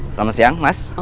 selamat siang mas